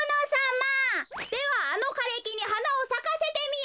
「ではあのかれきにはなをさかせてみよ」。